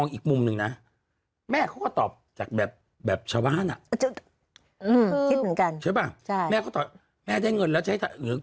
คิดเหมือนกันใช่ป่ะแม่ก็ตอบแม่ได้เงินแล้วใช้เงิน